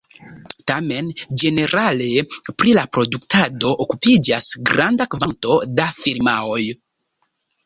Tamen ĝenerale pri la produktado okupiĝas granda kvanto da firmaoj.